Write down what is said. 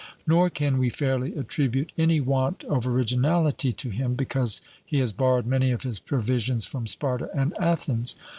Nor can we fairly attribute any want of originality to him, because he has borrowed many of his provisions from Sparta and Athens.